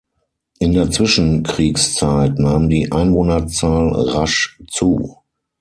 In der Zwischenkriegszeit nahm die Einwohnerzahl rasch zu.